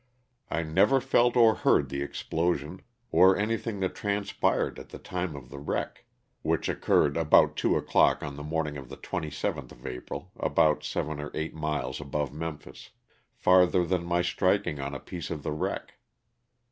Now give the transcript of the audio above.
I never felt or heard the explosion, or anything that transpired at the time LOSS OF THE SULTANA. 279 of the wreck (which occurred about two o'clock on the morning of the 27th of April, about seven or eight miles above Memphis), farther than my striking on a piece of the wreck.